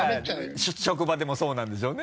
職場でもそうなんでしょうね。